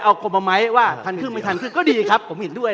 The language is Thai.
ถ้าบอกว่าทันก็เกรงว่าคุณแหม่นสุริภาจะเสียใจ